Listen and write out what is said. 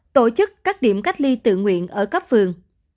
tổ chức các điểm cách ly tự nguyện ở cấp phường